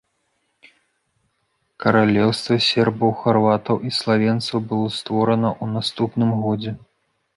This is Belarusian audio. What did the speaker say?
Каралеўства сербаў, харватаў і славенцаў было створана ў наступным годзе.